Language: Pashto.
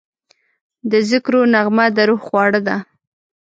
د ذکرو نغمه د روح خواړه ده.